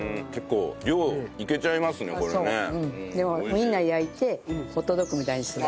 ウィンナー焼いてホットドッグみたいにする。